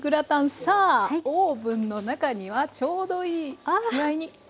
さあオーブンの中にはちょうどいい具合に。